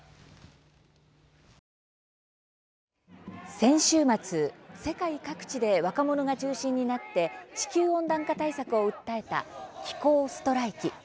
先週末、世界各地で若者が中心になって地球温暖化対策を訴えた、気候ストライキ。